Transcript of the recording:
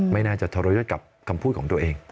ไม่น่าจะทรยศกับคำพูดของตัวเอง